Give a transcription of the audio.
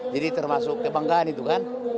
jadi termasuk kebanggaan itu kan